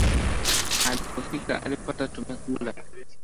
Alipofika alipata tumekula